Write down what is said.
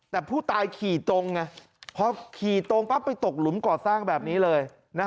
แต่ผู้ตายขี่ตรงไงพอขี่ตรงปั๊บไปตกหลุมก่อสร้างแบบนี้เลย